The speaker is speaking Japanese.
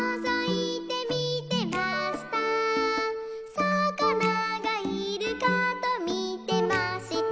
「さかながいるかとみてました」